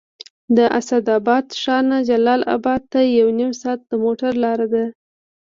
د اسداباد ښار نه جلال اباد ته یو نیم ساعت د موټر لاره ده